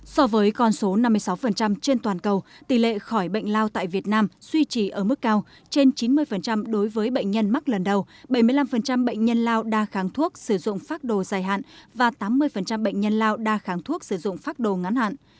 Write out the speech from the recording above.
so với con số năm mươi sáu trên toàn cầu tỷ lệ khỏi bệnh lao tại việt nam duy trì ở mức cao trên chín mươi đối với bệnh nhân mắc lần đầu bảy mươi năm bệnh nhân lao đa kháng thuốc sử dụng phác đồ dài hạn và tám mươi bệnh nhân lao đa kháng thuốc sử dụng phác đồ ngắn hạn